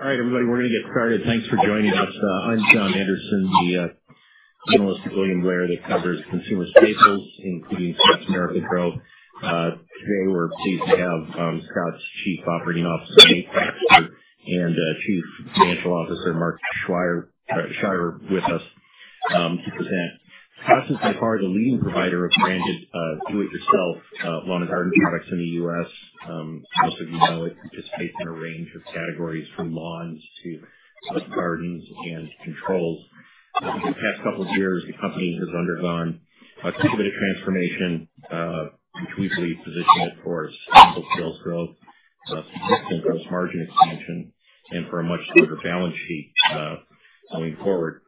All right, everybody, we're going to get started. Thanks for joining us. I'm John Anderson, the analyst at William Blair that covers consumer staples, including Scotts Miracle-Gro. Today we're pleased to have Scotts Chief Operating Officer Nate Baxter and Chief Financial Officer Mark Scheiwer with us to present. Scotts is by far the leading provider of branded do-it-yourself lawn and garden products in the U.S. Most of you know it participates in a range of categories from lawns to gardens and controls. Over the past couple of years, the company has undergone a bit of transformation, which we believe positions it for sustainable sales growth, significant gross margin expansion, and for a much smoother balance sheet going forward.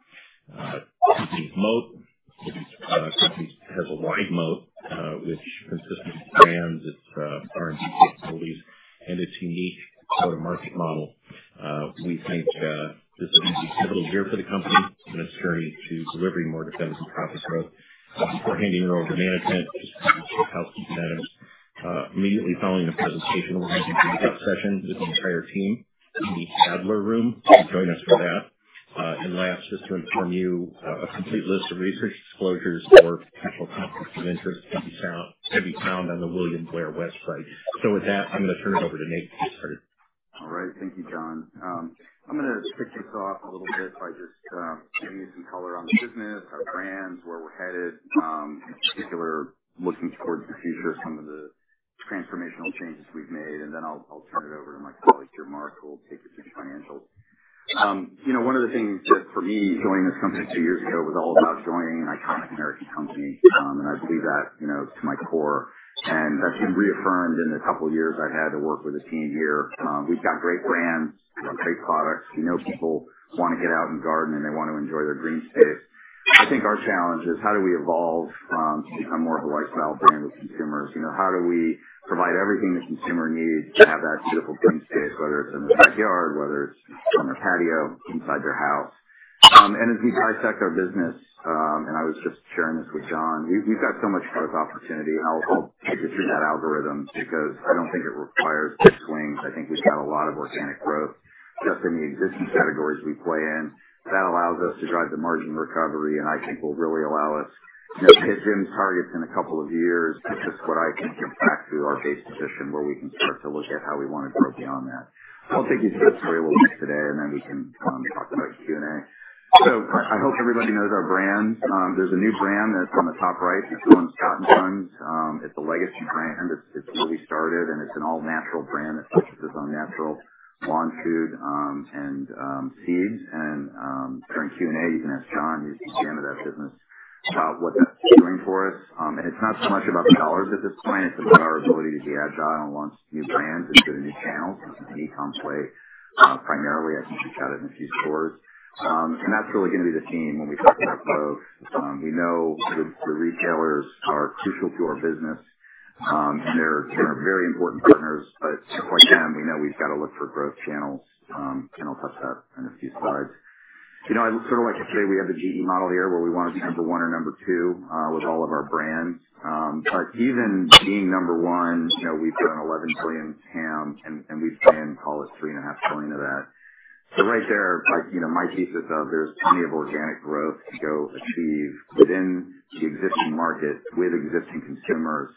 The company has a wide moat, which consists of its brands, its R&D capabilities, and its unique go-to-market model. We think this is a pivotal year for the company and its journey to delivering more definitive profit growth. Before handing it over to management, just a few housekeeping items. Immediately following the presentation, we're having a breakout session with the entire team in the Adler Room to join us for that. Last, just to inform you, a complete list of research disclosures for potential conflicts of interest can be found on the William Blair website. With that, I'm going to turn it over to Nate to get started. All right. Thank you, John. I'm going to kick this off a little bit by just giving you some color on the business, our brands, where we're headed, particularly looking towards the future, some of the transformational changes we've made. Then I'll turn it over to my colleague here, Mark, who will take us into financials. One of the things that, for me, joining this company two years ago was all about joining an iconic American company. I believe that to my core. That's been reaffirmed in the couple of years I've had to work with the team here. We've got great brands, great products. We know people want to get out and garden, and they want to enjoy their green space. I think our challenge is, how do we evolve to become more of a lifestyle brand with consumers? How do we provide everything the consumer needs to have that beautiful green space, whether it is in the backyard, whether it is on their patio, inside their house? As we dissect our business—and I was just sharing this with John—we have got so much growth opportunity. I will take you through that algorithm because I do not think it requires big swings. I think we have got a lot of organic growth just in the existing categories we play in. That allows us to drive the margin recovery. I think it will really allow us to hit Jim's targets in a couple of years, which is what I think gets back to our base position, where we can start to look at how we want to grow beyond that. I will take you through this very little bit today, and then we can talk about Q&A. I hope everybody knows our brand. There's a new brand that's on the top right. It's the O.M. Scotts & Sons. It's a legacy brand. It's newly started, and it's an all-natural brand that focuses on natural lawn food and seeds. During Q&A, you can ask John, he's the CM of that business, about what that's doing for us. It's not so much about the dollars at this point. It's about our ability to be agile and launch new brands and create new channels. This is an e-comm play primarily. I think you've got it in a few stores. That's really going to be the theme when we talk about growth. We know the retailers are crucial to our business, and they're very important partners. Just like them, we know we've got to look for growth channels. I'll touch that in a few slides. I'd sort of like to say we have the GE model here, where we want to be number one or number two with all of our brands. Even being number one, we've done $11 billion in TAM, and we've gained, call it, $3.5 billion of that. Right there, my thesis of there's plenty of organic growth to go achieve within the existing market with existing consumers,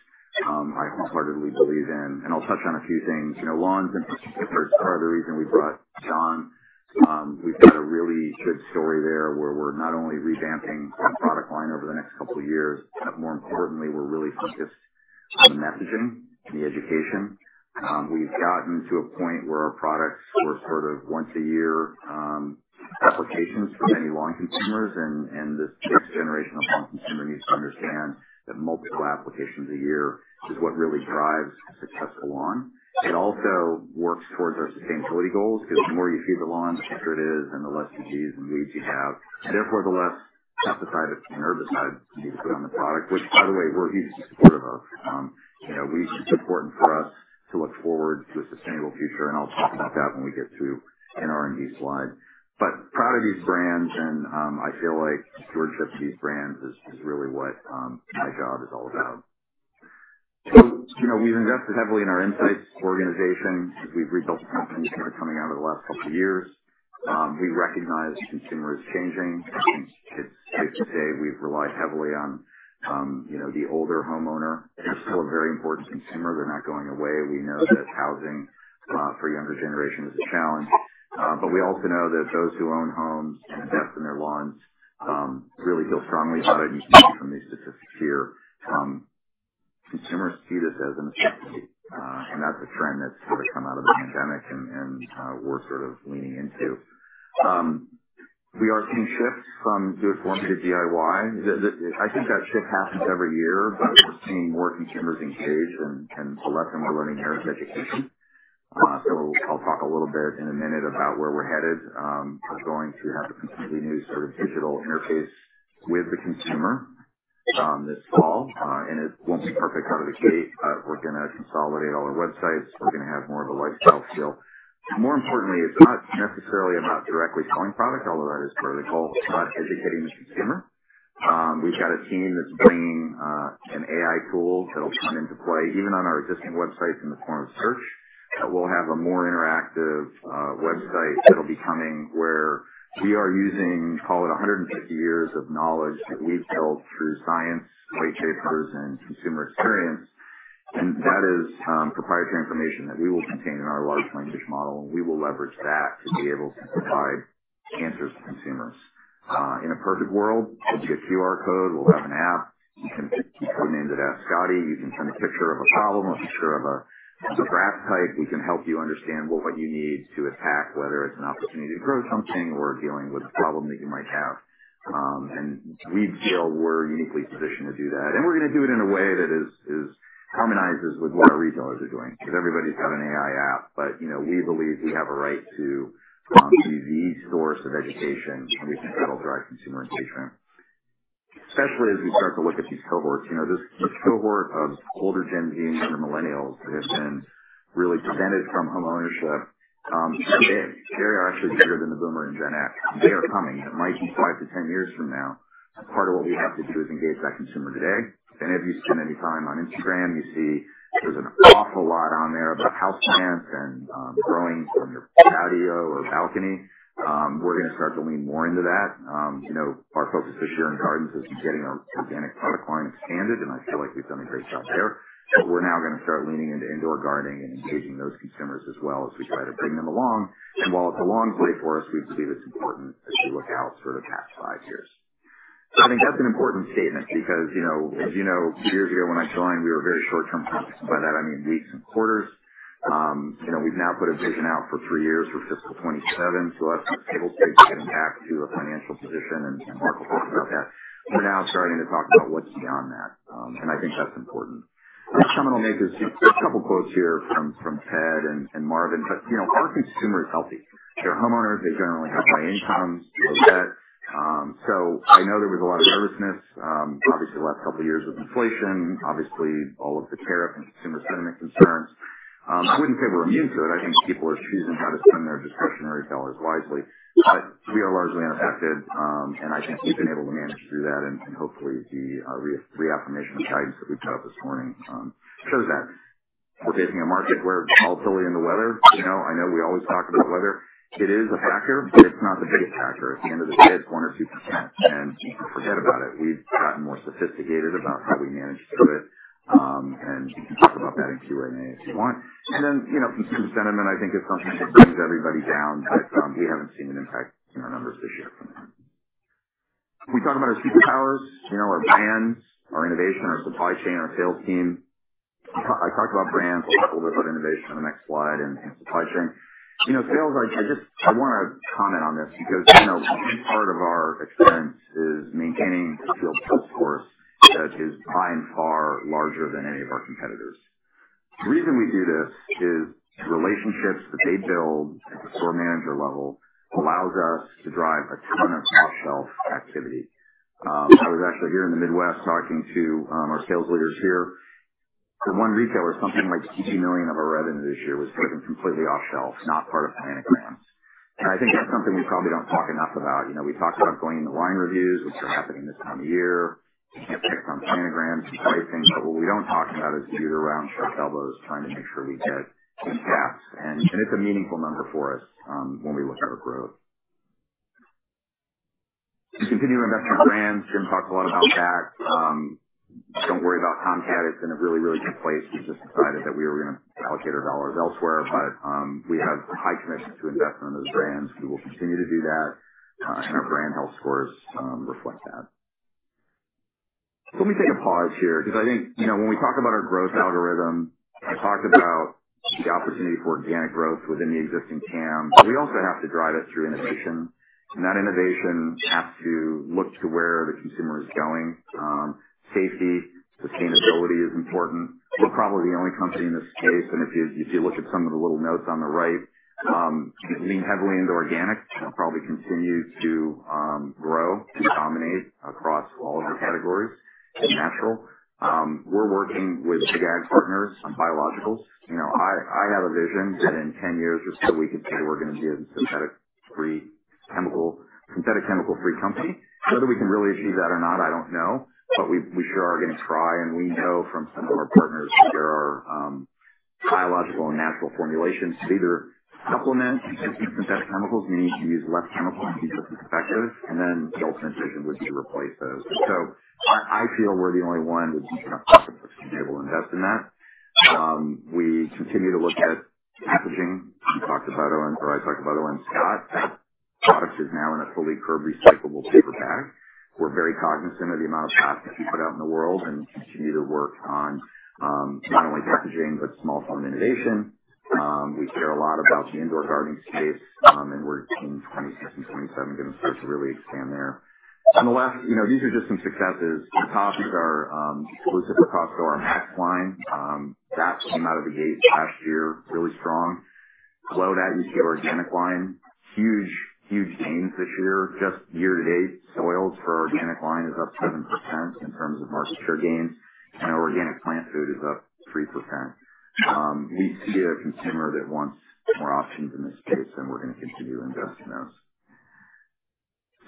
I wholeheartedly believe in. I'll touch on a few things. Lawns and particularly part of the reason we brought John, we've got a really good story there where we're not only revamping our product line over the next couple of years, but more importantly, we're really focused on the messaging and the education. We've gotten to a point where our products were sort of once-a-year applications for many lawn consumers. This next generation of lawn consumers needs to understand that multiple applications a year is what really drives a successful lawn. It also works towards our sustainability goals because the more you feed the lawn, the thicker it is, and the less disease and weeds you have. Therefore, the less pesticides and herbicides you need to put on the product, which, by the way, we are hugely supportive of. We think it is important for us to look forward to a sustainable future. I will talk about that when we get to an R&D slide. I am proud of these brands, and I feel like stewardship of these brands is really what my job is all about. We have invested heavily in our insights organization. We have rebuilt the company. Things are coming out of the last couple of years. We recognize consumers changing. I think it's safe to say we've relied heavily on the older homeowner. They're still a very important consumer. They're not going away. We know that housing for younger generations is a challenge. We also know that those who own homes and invest in their lawns really feel strongly about it. You can see from these statistics here, consumers see this as an opportunity. That's a trend that's sort of come out of the pandemic and we're sort of leaning into. We are seeing shifts from do-it-for-me to DIY. I think that shift happens every year. We're seeing more consumers engaged and less in learning errors education. I'll talk a little bit in a minute about where we're headed. We're going to have a completely new sort of digital interface with the consumer this fall. It will not be perfect out of the gate, but we are going to consolidate all our websites. We are going to have more of a lifestyle skill. More importantly, it is not necessarily about directly selling products, although that is part of the goal, but educating the consumer. We have got a team that is bringing an AI tool that will come into play, even on our existing websites in the form of search. We will have a more interactive website that will be coming where we are using, call it, 150 years of knowledge that we have built through science, white papers, and consumer experience. That is proprietary information that we will contain in our large language model. We will leverage that to be able to provide answers to consumers. In a perfect world, we will be a QR code. We will have an app. You can keep your name to that Scotty. You can send a picture of a problem or a picture of a graph type. We can help you understand what you need to attack, whether it's an opportunity to grow something or dealing with a problem that you might have. We feel we're uniquely positioned to do that. We're going to do it in a way that harmonizes with what our retailers are doing because everybody's got an AI app. We believe we have a right to launch the source of education, and we think that'll drive consumer engagement, especially as we start to look at these cohorts. This cohort of older Gen Z and younger millennials that have been really prevented from homeownership today are actually bigger than the boomer and Gen X. They are coming. That might be 5 years-10 years from now. Part of what we have to do is engage that consumer today. If any of you spend any time on Instagram, you see there's an awful lot on there about house plants and growing from your patio or balcony. We're going to start to lean more into that. Our focus this year in gardens is getting our organic product line expanded. I feel like we've done a great job there. We're now going to start leaning into indoor gardening and engaging those consumers as well as we try to bring them along. While it's a long way for us, we believe it's important that we look out sort of past five years. I think that's an important statement because, as you know, a few years ago when I joined, we were very short-term focused. By that, I mean weeks and quarters. We've now put a vision out for three years for fiscal 2027. That's a stable space getting back to a financial position. Mark will talk about that. We're now starting to talk about what's beyond that. I think that's important. Last comment I'll make is just a couple of quotes here from Ted and Marvin. Our consumer is healthy. They're homeowners. They generally have high incomes. I know there was a lot of nervousness, obviously, the last couple of years with inflation, all of the tariff and consumer sentiment concerns. I wouldn't say we're immune to it. I think people are choosing how to spend their discretionary dollars wisely. We are largely unaffected. I think we've been able to manage through that. Hopefully, the reaffirmation of guidance that we put out this morning shows that we're facing a market where volatility in the weather—I know we always talk about weather—it is a factor, but it's not the biggest factor. At the end of the day, it's 1% or 2%. You can forget about it. We've gotten more sophisticated about how we manage through it. We can talk about that in Q&A if you want. Consumer sentiment, I think, is something that brings everybody down. We haven't seen an impact in our numbers this year from that. We talk about our superpowers, our brands, our innovation, our supply chain, our sales team. I talked about brands, a little bit about innovation on the next slide, and supply chain. Sales, I want to comment on this because a big part of our expense is maintaining a field sales force that is by and far larger than any of our competitors. The reason we do this is the relationships that they build at the store manager level allows us to drive a ton of off-shelf activity. I was actually here in the Midwest talking to our sales leaders here. For one retailer, something like $80 million of our revenue this year was driven completely off-shelf, not part of planned grants. I think that's something we probably do not talk enough about. We talk about going into line reviews, which are happening this time of year. We cannot fix on planned grants and pricing. What we do not talk about is geared around sharp elbows trying to make sure we get in gaps. It is a meaningful number for us when we look at our growth. We continue to invest in brands. Jim talked a lot about that. Do not worry about Tomcat. It is in a really, really good place. We are just excited that we were going to allocate our dollars elsewhere. We have high commitment to investment in those brands. We will continue to do that. Our brand health scores reflect that. Let me take a pause here because I think when we talk about our growth algorithm, I talked about the opportunity for organic growth within the existing TAM. We also have to drive it through innovation. That innovation has to look to where the consumer is going. Safety, sustainability is important. We are probably the only company in this case. If you look at some of the little notes on the right, we lean heavily into organic. We'll probably continue to grow and dominate across all of our categories in natural. We're working with big-ag partners on biologicals. I have a vision that in 10 years or so, we can say we're going to be a synthetic chemical-free company, whether we can really achieve that or not, I don't know. We sure are going to try. We know from some of our partners that there are biological and natural formulations to either supplement synthetic chemicals, meaning you can use less chemicals to be systems effective. The ultimate vision would be to replace those. I feel we're the only one with enough market to be able to invest in that. We continue to look at packaging. We talked about Owen or I talked about Owen Scott. That product is now in a fully curved recyclable paper bag. We're very cognizant of the amount of plastic we put out in the world and continue to work on not only packaging but small-form innovation. We care a lot about the indoor gardening space. We're, in 2026 and 2027, going to start to really expand there. The last, these are just some successes. The top is our exclusive Picasso or Max line. That came out of the gate last year, really strong. Below that, you see organic line. Huge, huge gains this year. Just year to date, soils for organic line is up 7% in terms of market share gains. Our organic plant food is up 3%. We see a consumer that wants more options in this space. We're going to continue to invest in those.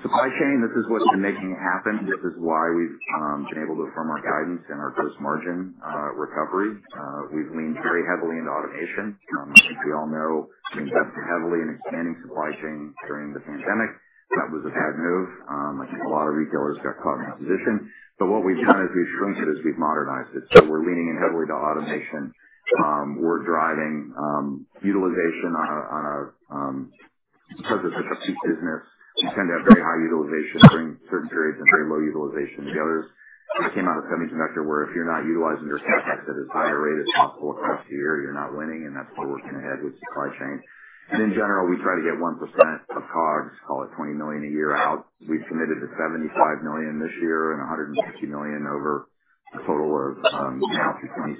Supply chain, this is what's been making it happen. This is why we've been able to affirm our guidance and our gross margin recovery. We've leaned very heavily into automation. I think we all know we invested heavily in expanding supply chain during the pandemic. That was a bad move. I think a lot of retailers got caught in that position. What we've done as we've shrunk it is we've modernized it. We're leaning in heavily to automation. We're driving utilization on a purpose of a peak business. We tend to have very high utilization during certain periods and very low utilization in the others. We came out of semiconductor where if you're not utilizing your setbacks at as high a rate as possible across the year, you're not winning. That's where we're going to head with supply chain. In general, we try to get 1% of COGS, call it $20 million a year, out. We've committed to $75 million this year and $150 million over a total of now through 2027. We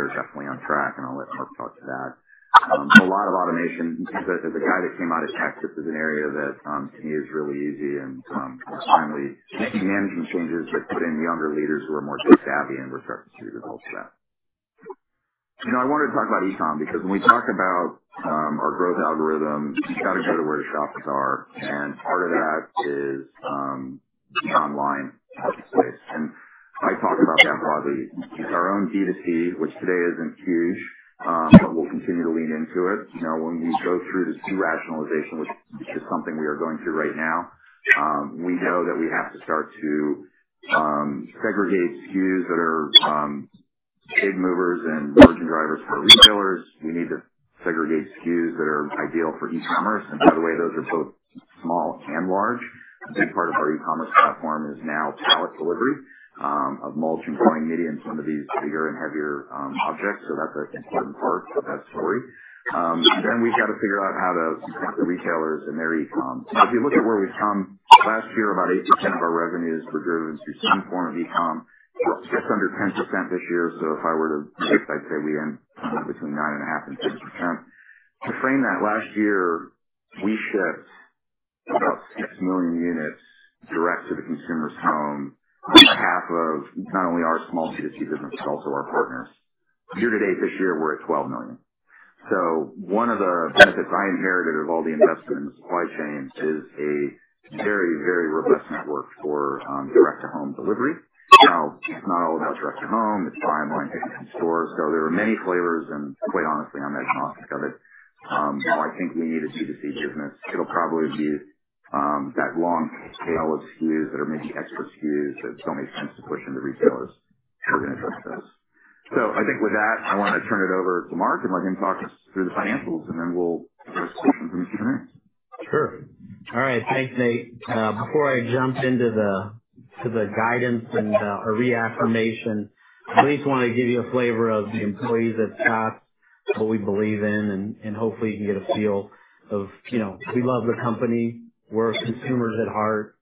are definitely on track. I'll let Mark talk to that. A lot of automation. As a guy that came out of Texas, this is an area that to me is really easy and timely. Making management changes that put in younger leaders who are more tech-savvy. We're starting to see the results of that. I wanted to talk about e-comm because when we talk about our growth algorithm, you have got to go to where the shoppers are. Part of that is the online space. I talk about that broadly. It's our own B2C, which today is not huge, but we will continue to lean into it. When we go through this derationalization, which is something we are going through right now, we know that we have to start to segregate SKUs that are big movers and margin drivers for retailers. We need to segregate SKUs that are ideal for e-commerce. And by the way, those are both small and large. A big part of our e-commerce platform is now pallet delivery of mulch and growing media and some of these bigger and heavier objects. That is an important part of that story. Then we have got to figure out how to connect the retailers and their e-comm. If you look at where we have come, last year, about 8% of our revenues were driven through some form of e-comm. It is just under 10% this year. If I were to mix it, I would say we end between 9.5%-10%. To frame that, last year, we shipped about 6 million units direct to the consumer's home on behalf of not only our small B2C business but also our partners. Year to date, this year, we're at 12 million. One of the benefits I inherited of all the investment in the supply chain is a very, very robust network for direct-to-home delivery. Now, it's not all about direct-to-home. It's buy-online, pick-and-show stores. There are many flavors. Quite honestly, I'm agnostic of it. I think we need a B2C business. It'll probably be that long tail of SKUs that are maybe extra SKUs that don't make sense to push into retailers. We're going to address those. With that, I want to turn it over to Mark and let him talk us through the financials. Then we'll get a question from the Q&A. Sure. All right. Thanks, Nate. Before I jump into the guidance and our reaffirmation, I really just want to give you a flavor of the employees at Scotts, what we believe in. Hopefully, you can get a feel of we love the company. We're consumers at heart.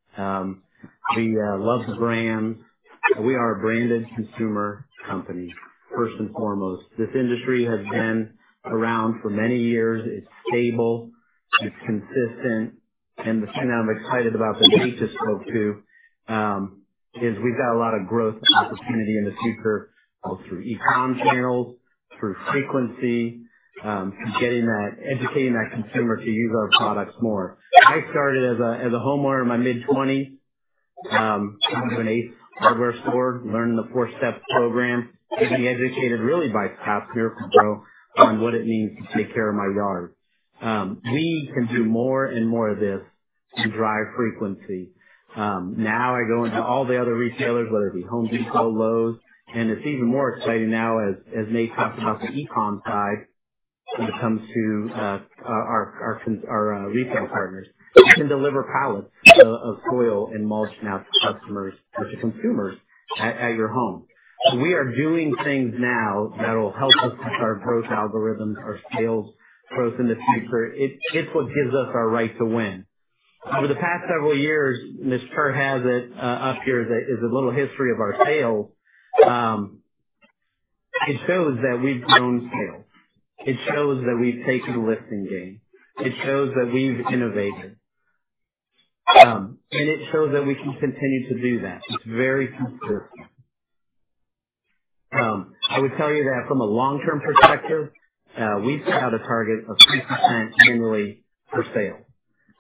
We love the brands. We are a branded consumer company, first and foremost. This industry has been around for many years. It's stable. It's consistent. The thing that I'm excited about that Nate just spoke to is we've got a lot of growth opportunity in the future both through e-comm channels, through frequency, through educating that consumer to use our products more. I started as a homeowner in my mid-20s, got into an Ace Hardware store, learned the four-step program, and being educated really by Scotts Miracle-Gro on what it means to take care of my yard. We can do more and more of this and drive frequency. Now, I go into all the other retailers, whether it be Home Depot, Lowe's. It is even more exciting now, as Nate talked about the e-comm side, when it comes to our retail partners. You can deliver pallets of soil and mulch now to customers or to consumers at your home. We are doing things now that'll help us with our growth algorithms, our sales growth in the future. It is what gives us our right to win. Over the past several years, and this chart has it up here as a little history of our sales, it shows that we've grown sales. It shows that we've taken the lifting gain. It shows that we've innovated. It shows that we can continue to do that. It is very consistent. I would tell you that from a long-term perspective, we set out a target of 3% annually per sale.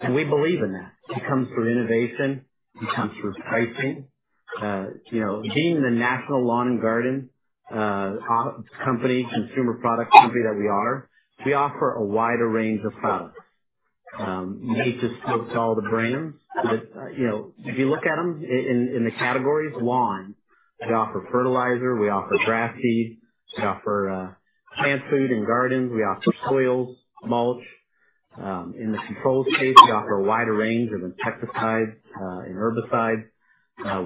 And we believe in that. It comes through innovation. It comes through pricing. Being the national lawn and garden company, consumer product company that we are, we offer a wider range of products. Nate just spoke to all the brands. If you look at them in the categories, lawn, we offer fertilizer. We offer grass seed. We offer plant food and gardens. We offer soils, mulch. In the controlled space, we offer a wider range of insecticides and herbicides,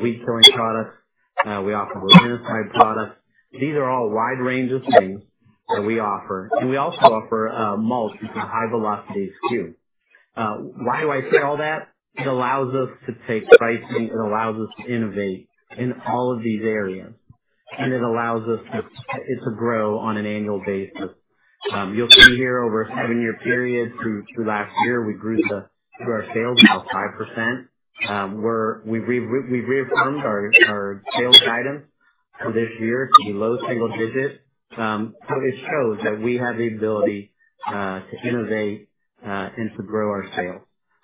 weed-killing products. We offer vermicide products. These are all wide ranges of things that we offer. We also offer mulch into the high-velocity SKU. Why do I say all that? It allows us to take pricing. It allows us to innovate in all of these areas. It allows us to grow on an annual basis. You'll see here over a seven-year period through last year, we grew our sales by 5%. We reaffirmed our sales guidance for this year to be low single digits. It shows that we have the ability to innovate and to grow our sales.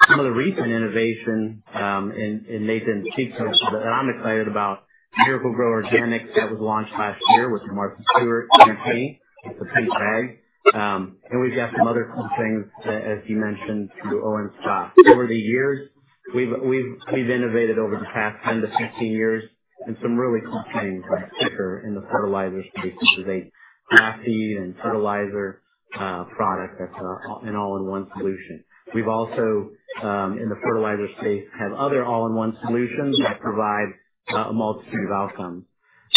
Some of the recent innovation, and Nate didn't speak to it, but I'm excited about Miracle-Gro Organics that was launched last year with the Martha Stewart MRT, the pink bag. We've got some other cool things, as you mentioned, through Owen Scott. Over the years, we've innovated over the past 10years-15 years in some really cool things like Thick'R in the fertilizer space, which is a grass seed and fertilizer product that's an all-in-one solution. We've also, in the fertilizer space, have other all-in-one solutions that provide a multitude of outcomes.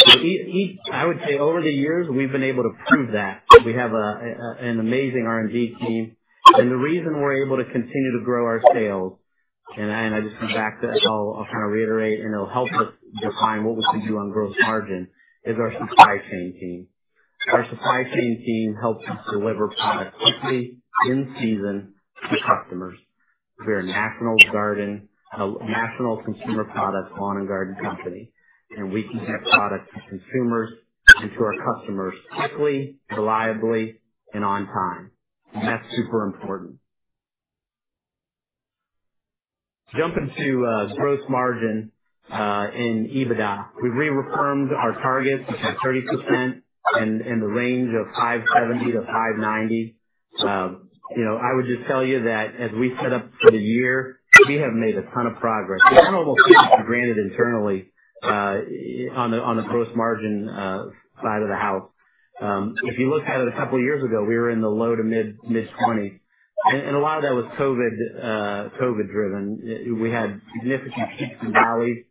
I would say over the years, we've been able to prove that. We have an amazing R&D team. The reason we're able to continue to grow our sales—I just come back to that. I'll kind of reiterate. It'll help us define what we can do on gross margin—is our supply chain team. Our supply chain team helps us deliver product quickly in season to customers. We're a national garden, a national consumer product lawn and garden company. We can get product to consumers and to our customers quickly, reliably, and on time. That's super important. Jumping to gross margin in EBITDA. We've reaffirmed our target. We've had 30% and the range of $570 million-$590 million. I would just tell you that as we set up for the year, we have made a ton of progress. We kind of almost take it for granted internally on the gross margin side of the house. If you looked at it a couple of years ago, we were in the low to mid-20%. A lot of that was COVID-driven. We had significant peaks and valleys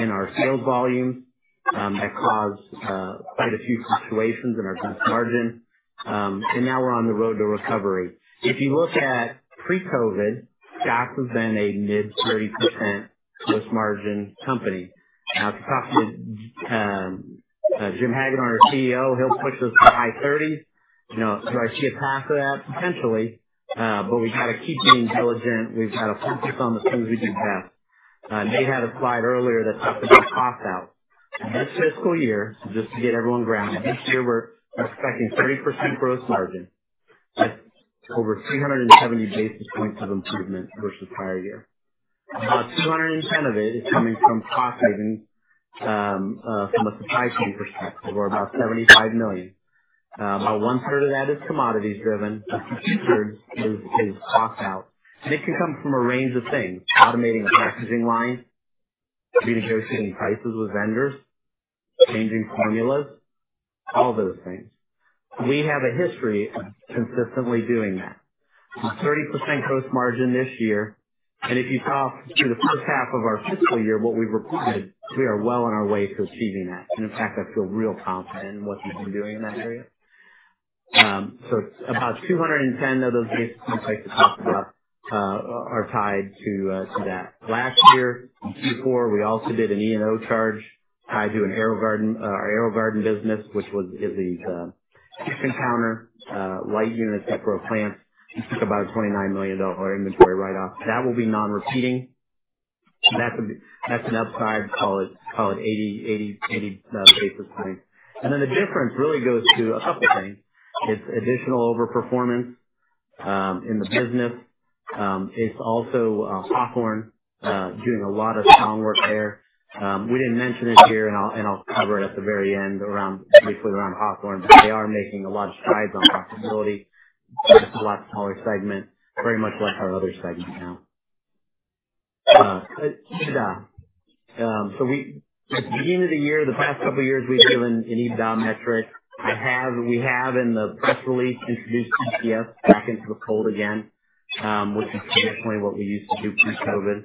in our sales volumes that caused quite a few fluctuations in our gross margin. Now we are on the road to recovery. If you look at pre-COVID, Scotts has been a mid-30% gross margin company. Now, if you talk to Jim Hagedorn, our CEO, he'll push us to the high 30%. Do I see a path to that? Potentially. We have to keep being diligent. We have to focus on the things we do best. Nate had a slide earlier that talked about cost out. This fiscal year, just to get everyone grounded, this year, we are expecting 30% gross margin. That's over 370 basis points of improvement versus prior year. About 210 of it is coming from cost savings from a supply chain perspective. We're about $75 million. About one-third of that is commodities-driven. A few-thirds is cost out. And it can come from a range of things: automating a packaging line, renegotiating prices with vendors, changing formulas, all those things. We have a history of consistently doing that. 30% gross margin this year. If you talk through the first half of our fiscal year, what we've reported, we are well on our way to achieving that. In fact, I feel real confident in what we've been doing in that area. So about 210 of those basis points I just talked about are tied to that. Last year, Q4, we also did an E&O charge tied to our AeroGarden business, which is these kitchen counter light units that grow plants. We took about a $29 million inventory write-off. That will be non-repeating. That's an upside. Call it 80 basis points. The difference really goes to a couple of things. It's additional overperformance in the business. It's also Hawthorne doing a lot of strong work there. We didn't mention it here. I'll cover it at the very end, basically around Hawthorne. They are making a lot of strides on profitability. It's a lot smaller segment, very much like our other segment now. EBITDA. At the beginning of the year, the past couple of years, we've given an EBITDA metric. We have, in the press release, introduced EPS back into the fold again, which is traditionally what we used to do pre-COVID.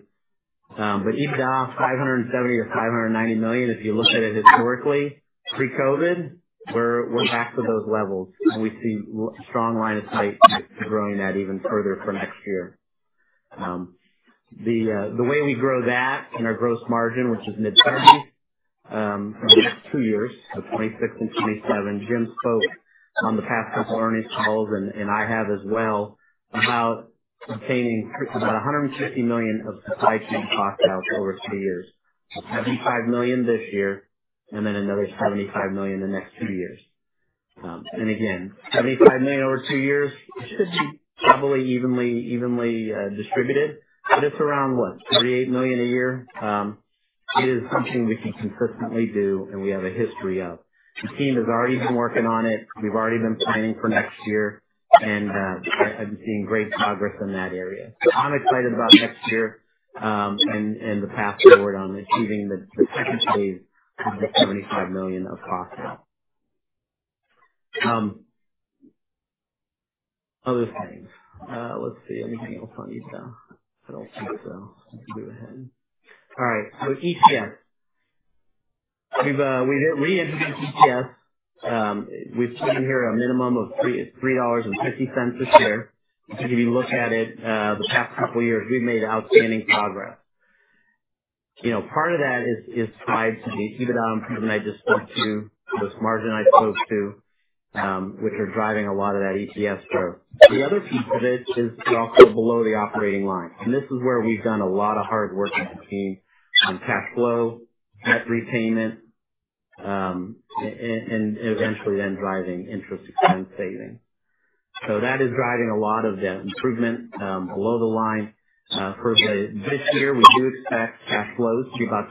EBITDA, $570 million-$590 million, if you look at it historically, pre-COVID, we're back to those levels. We see a strong line of sight to growing that even further for next year. The way we grow that and our gross margin, which is mid-30%, over the next two years, so 2026 and 2027, Jim spoke on the past couple of earnings calls, and I have as well, about obtaining about $150 million of supply chain cost out over three years. $75 million this year, and then another $75 million in the next two years. Again, $75 million over two years. It should be doubly evenly distributed, but it's around, what, $38 million a year? It is something we can consistently do, and we have a history of. The team has already been working on it. We've already been planning for next year. I've been seeing great progress in that area. I'm excited about next year and the path forward on achieving the second phase of the $75 million of cost out. Other things. Let's see. Anything else on EBITDA? I don't think so. We can move ahead. All right. EPS. We've reintroduced EPS. We've put in here a minimum of $3.50 a share. If you look at it, the past couple of years, we've made outstanding progress. Part of that is tied to the EBITDA improvement I just spoke to, the gross margin I spoke to, which are driving a lot of that EPS growth. The other piece of it is also below the operating line. This is where we've done a lot of hard work in between cash flow, net repayment, and eventually then driving interest expense savings. That is driving a lot of the improvement below the line. For this year, we do expect cash flows to be about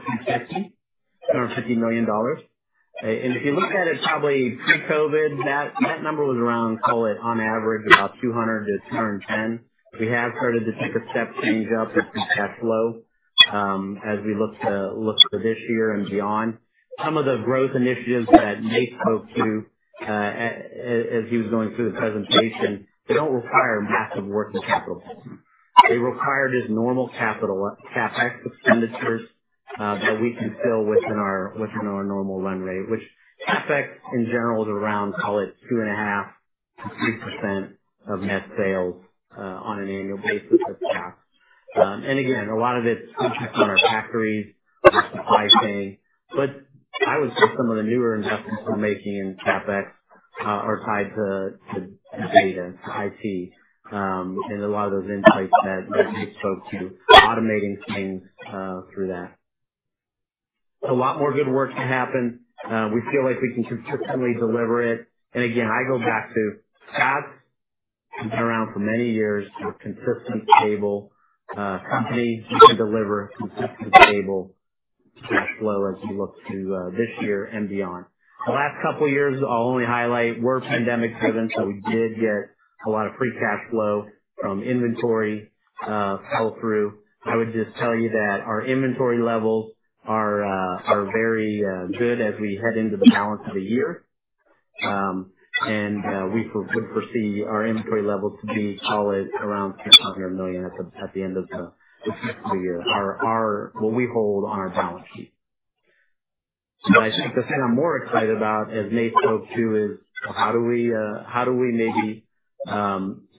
$250 million. If you look at it probably pre-COVID, that number was around, call it on average, about $200 million-$210 million. We have started to take a step change up in cash flow as we look to this year and beyond. Some of the growth initiatives that Nate spoke to, as he was going through the presentation, they do not require massive working capital funds. They require just normal CapEx expenditures that we can fill within our normal run rate, which CapEx, in general, is around, call it 2.5%-3% of net sales on an annual basis at Scotts. Again, a lot of it is focused on our factories and supply chain. I would say some of the newer investments we're making in CapEx are tied to data and to IT. A lot of those insights that Nate just spoke to, automating things through that. A lot more good work to happen. We feel like we can consistently deliver it. I go back to Scotts. We've been around for many years. We're a consistent, stable company. We can deliver consistent, stable cash flow as we look to this year and beyond. The last couple of years, I'll only highlight, were pandemic-driven. We did get a lot of free cash flow from inventory flow-through. I would just tell you that our inventory levels are very good as we head into the balance of the year. We would foresee our inventory level to be, call it around $600 million at the end of the year, what we hold on our balance sheet. I think the thing I'm more excited about, as Nate spoke to, is how do we maybe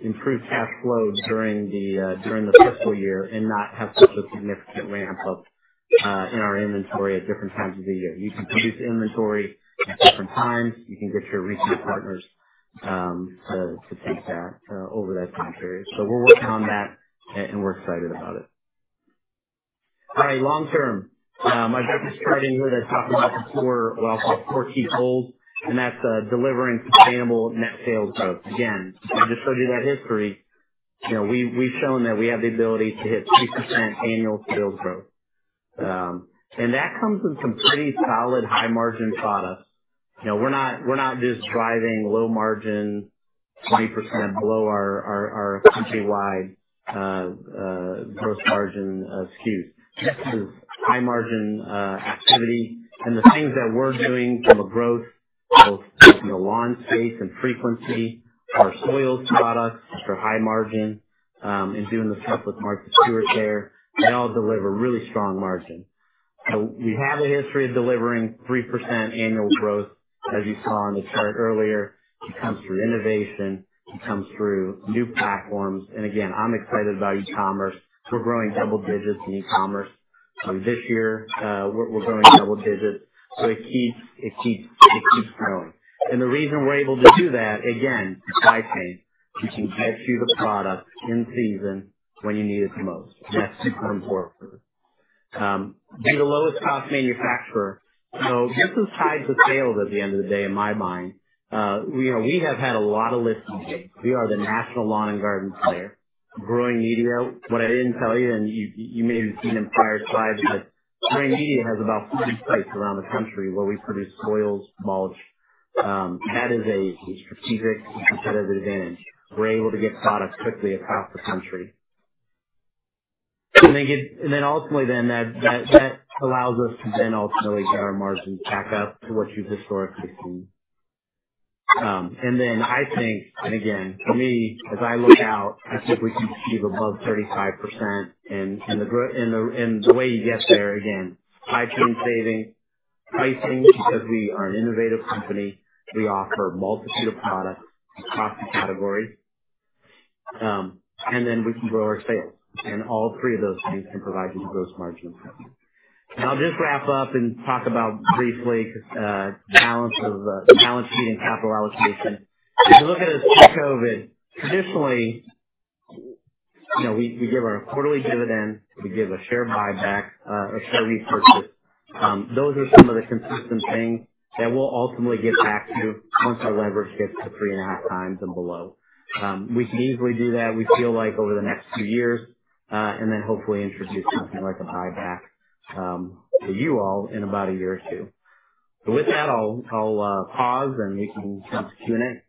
improve cash flow during the fiscal year and not have such a significant ramp-up in our inventory at different times of the year? You can produce inventory at different times. You can get your retail partners to take that over that time period. We're working on that. We're excited about it. All right. Long-term. I've got you starting here to talk about the four, what I'll call, four key goals. That's delivering sustainable net sales growth. Again, I just showed you that history. We've shown that we have the ability to hit 3% annual sales growth. That comes with some pretty solid high-margin products. We're not just driving low margin, 20% below our countrywide gross margin SKUs. This is high-margin activity. The things that we're doing from a growth, both in the lawn space and frequency, our soils products for high margin, and doing the stuff with Martha Stewart there, they all deliver really strong margin. We have a history of delivering 3% annual growth, as you saw on the chart earlier. It comes through innovation. It comes through new platforms. Again, I'm excited about e-commerce. We're growing double digits in e-commerce. This year, we're growing double digits. It keeps growing. The reason we're able to do that, again, supply chain. We can get you the product in season when you need it the most. That's super important for us. Be the lowest-cost manufacturer. This is tied to sales at the end of the day, in my mind. We have had a lot of listings. We are the national lawn and garden player. Growing Media, what I did not tell you, and you may have seen in prior slides, but Growing Media has about 40 sites around the country where we produce soils, mulch. That is a strategic and competitive advantage. We are able to get product quickly across the country. Ultimately, that allows us to ultimately get our margins back up to what you have historically seen. I think, and again, for me, as I look out, I think we can achieve above 35%. The way you get there, again, supply chain savings, pricing, because we are an innovative company. We offer a multitude of products across the category. Then we can grow our sales. All three of those things can provide you the gross margin improvement. I'll just wrap up and talk about briefly balance sheet and capital allocation. If you look at it pre-COVID, traditionally, we give our quarterly dividend. We give a share buyback or share repurchase. Those are some of the consistent things that we'll ultimately get back to once our leverage gets to 3.5 times and below. We can easily do that, we feel like, over the next two years, and then hopefully introduce something like a buyback for you all in about a year or two. With that, I'll pause. We can jump to Q&A. Yes. All right.